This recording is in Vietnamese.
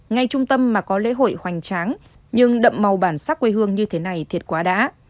ngay trung tâm mà có lễ hội hoành tráng nhưng đậm màu bản sắc quê hương như thế này thiệt quá đã